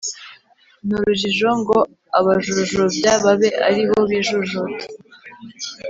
Ni urujijo ngo abajujubya babe ari bo bijujuta